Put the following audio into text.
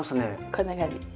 こんな感じ。